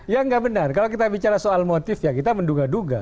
ya nggak benar kalau kita bicara soal motif ya kita menduga duga